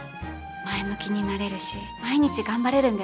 前向きになれるし毎日頑張れるんです。